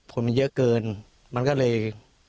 คนมันเยอะเกินมันก็เลย